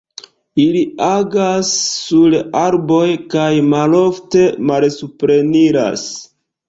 Ili agas sur arboj kaj malofte malsupreniras.